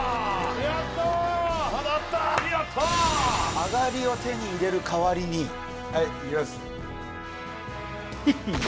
上がりを手に入れるかわりにはいいきます